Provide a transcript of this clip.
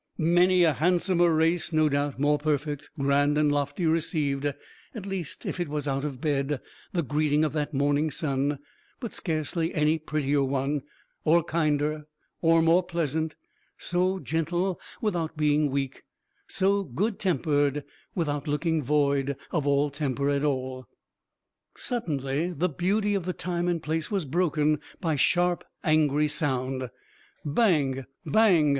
Many a handsomer race, no doubt, more perfect, grand and lofty, received at least if it was out of bed the greeting of that morning sun; but scarcely any prettier one, or kinder, or more pleasant, so gentle without being weak, so good tempered without looking void of all temper at all. Suddenly the beauty of the time and place was broken by sharp, angry sound. Bang! bang!